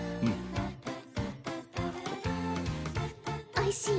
おいしい？